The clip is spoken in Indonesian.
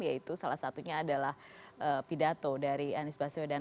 yaitu salah satunya adalah pidato dari anies baswedan